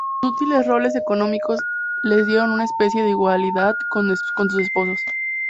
Sus útiles roles económicos les dieron una especie de igualdad con sus esposos.